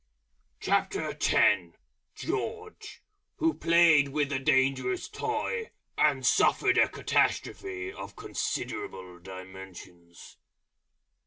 GEORGE, _Who played with a Dangerous Toy, and suffered a Catastrophe of considerable Dimensions.